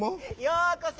ようこそ！